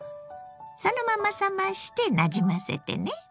そのまま冷ましてなじませてね。